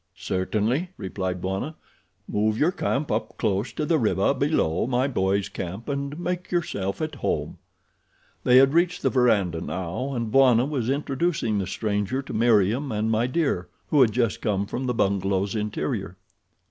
"Certainly," replied Bwana. "Move your camp up close to the river below my boys' camp and make yourself at home." They had reached the verandah now and Bwana was introducing the stranger to Meriem and My Dear, who had just come from the bungalow's interior.